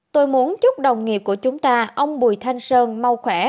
tôi muốn chúc đồng nghiệp của chúng ta ông bùi thanh sơn mau khỏe